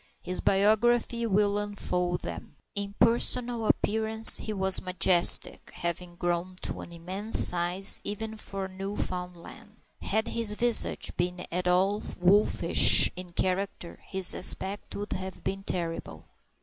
His biography will unfold them. In personal appearance he was majestic, having grown to an immense size even for a Newfoundland. Had his visage been at all wolfish in character, his aspect would have been terrible.